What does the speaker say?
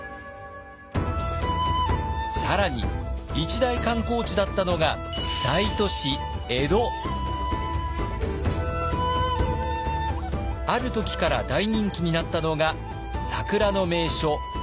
更に一大観光地だったのがある時から大人気になったのが桜の名所飛鳥山。